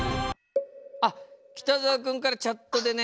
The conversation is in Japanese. あっ北澤君からチャットでね